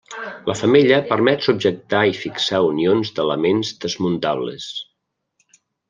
La femella permet subjectar i fixar unions d'elements desmuntables.